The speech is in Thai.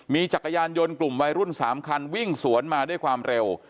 มีจักรยานยนต์กลุ่มวัยรุ่น๓คันวิ่งสวนมาด้วยความเร็ว